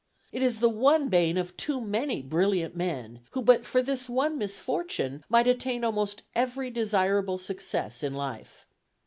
It is the one bane of too many brilliant men, who but for this one misfortune might attain almost every desirable success in life.